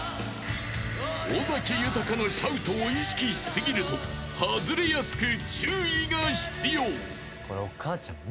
［尾崎豊のシャウトを意識し過ぎると外れやすく注意が必要］